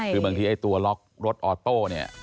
คือบางทีไอ้ตัวล็อกรถออโต้เนี่ย